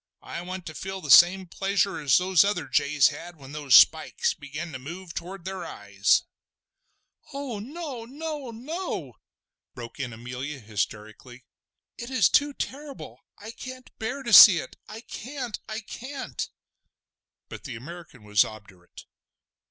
I want to feel the same pleasure as the other jays had when those spikes began to move toward their eyes!" "Oh no! no! no!" broke in Amelia hysterically. "It is too terrible! I can't bear to see it!—I can't! I can't!" But the American was obdurate.